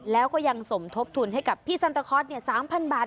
แล้วก็ยังสมทบทุนให้กับพี่ซันตะคอร์ส๓๐๐บาท